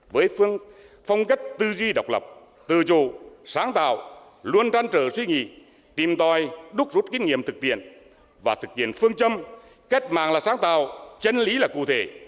với phong cách tư duy độc lập tự chủ sáng tạo luôn trăn trở suy nhị tìm tòi đúc rút kinh nghiệm thực tiện và thực hiện phương châm cách mạng là sáng tạo chân lý là cụ thể